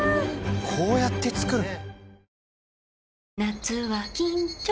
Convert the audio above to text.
こうやって作るの？